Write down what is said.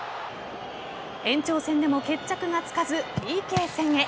延長戦でも決着がつかずＰＫ戦へ。